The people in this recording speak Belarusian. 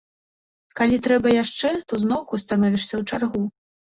Калі трэба яшчэ, то зноўку становішся ў чаргу.